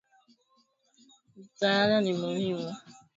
Mtaala ni muhimu